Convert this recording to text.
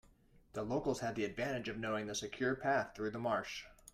The locals had the advantage of knowing the secure path through the marsh.